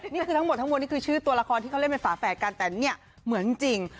นี่คือทั้งหมดทั้งมวลนี่คือชื่อตัวละครที่เขาเล่นเป็นฝาแฝดกันแต่เนี่ยเหมือนจริง